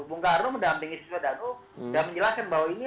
bung karno mendampingi sucipto danu